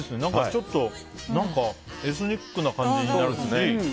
ちょっと何かエスニックな感じになるんですね。